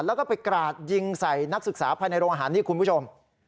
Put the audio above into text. แล้วก็ไปกราดยิงใส่นักศึกษาภายในโรงอาหารนี่คุณผู้ชม